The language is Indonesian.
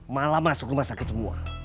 malah masuk rumah sakit semua